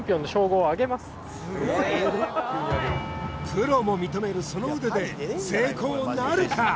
プロも認めるその腕で成功なるか？